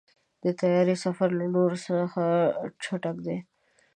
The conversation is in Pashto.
د طیارې سفر له نورو ټولو څخه چټک دی.